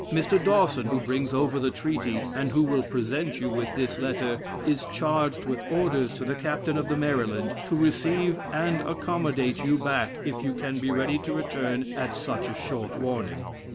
Mr. Dawson, who brings over the treaty, and who will present you with this letter, is charged with orders to the captain of the Maryland, to receive and accommodate you back if you can be ready to return at such a short warning.